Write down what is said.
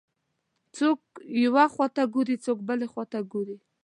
څوک یوې خواته ګوري، څوک بلې خواته ګوري.